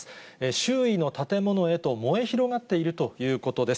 周囲の建物へと燃え広がっているということです。